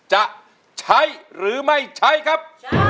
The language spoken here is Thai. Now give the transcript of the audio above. จะใช้หรือไม่ใช้ครับ